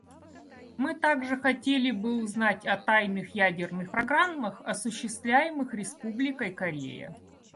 Мы также хотели бы узнать о тайных ядерных программах, осуществляемых Республикой Корея.